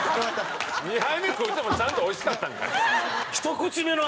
２杯目食うてもちゃんとおいしかったんかい。